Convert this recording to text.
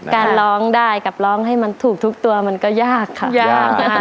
การร้องได้กับร้องให้มันถูกทุกตัวมันก็ยากค่ะยากนะคะ